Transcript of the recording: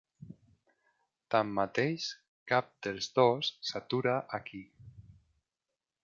Tanmateix, cap dels dos s'atura aquí.